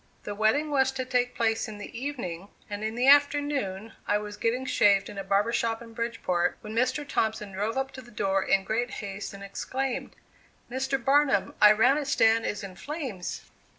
The wedding was to take place in the evening, and in the afternoon I was getting shaved in a barber shop in Bridgeport, when Mr. Thompson drove up to the door in great haste and exclaimed: "Mr. Barnum, Iranistan is in flames!"